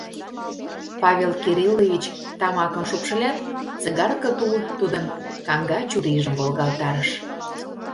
Павел Кириллович тамакым шупшылят, цигарке тул тудын каҥга чурийжым волгалтарыш.